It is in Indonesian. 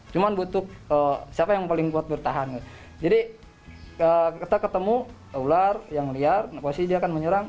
cuma butuh siapa yang paling kuat bertahan jadi kita ketemu ular yang liar pasti dia akan menyerang